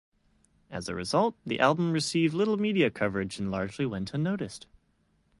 As a result, the album received little media coverage and went largely unnoticed.